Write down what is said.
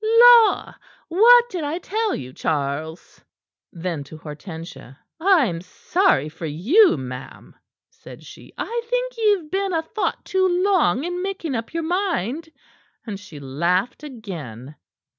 "La! What did I tell you, Charles?" Then to Hortensia: "I'm sorry for you, ma'am," said she. "I think ye've been a thought too long in making up your mind." And she laughed again.